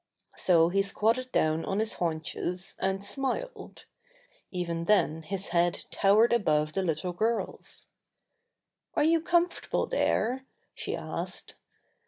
So he squatted down on his haunches, and smiled. Even then his head towered above the little girl's. "Are you comfortable there?" she asked.